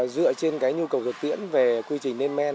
dựa trên cái nhu cầu thực tiễn về quy trình lên men